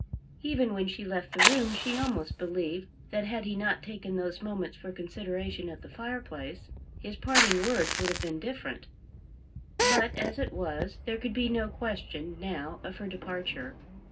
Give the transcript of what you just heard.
Even when she left the room she almost believed that had he not taken those moments for consideration at the fireplace his parting words would have been different. But, as it was, there could be no question now of her departure.